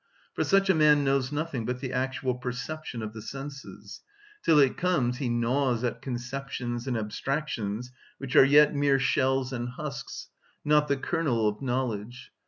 For such a man knows nothing but the actual perception of the senses: till it comes he gnaws at conceptions and abstractions which are yet mere shells and husks, not the kernel of knowledge.